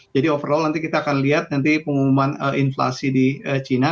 jadi overall nanti kita akan lihat nanti pengumuman inflasi di china